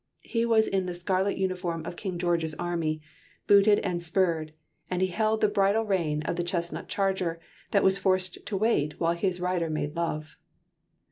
He was in the scarlet uniform of King George's army, booted and spurred, and he held the bridle rein of the chestnut charger that was forced to wait while his rider made love.